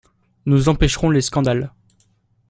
Nous empêcherons les scandales.